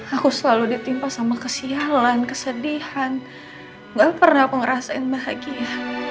aku selalu ditimpa sama kesialan kesedihan gak pernah aku ngerasain bahagia